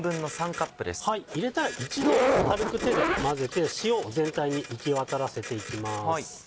入れたら一度軽く手で混ぜて塩を全体に行き渡らせていきます。